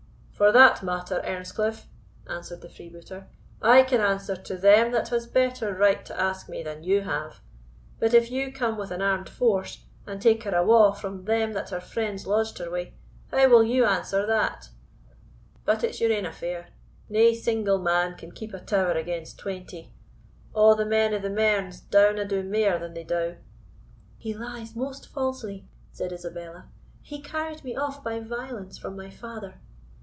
"For that matter, Earnscliff," answered the freebooter, "I can answer to them that has better right to ask me than you have; but if you come with an armed force, and take her awa' from them that her friends lodged her wi', how will you answer THAT But it's your ain affair Nae single man can keep a tower against twenty A' the men o' the Mearns downa do mair than they dow." "He lies most falsely," said Isabella; "he carried me off by violence from my father."